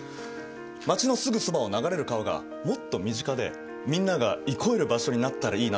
街のすぐそばを流れる川がもっと身近でみんなが憩える場所になったらいいなと思いました。